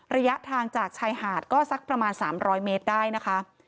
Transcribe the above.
ระยะทางจากชายหาดก็สักประมาณ๓๐๐เมตรได้นะคะ